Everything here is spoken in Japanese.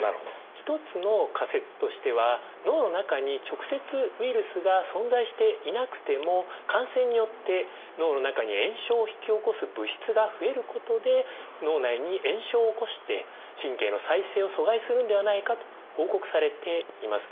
一つの仮説としては脳の中に直接ウイルスが存在していなくても感染によって脳の中に炎症を引き起こす物質が増えることで脳内に炎症を起こして神経の再生を阻害するんではないかと報告されています。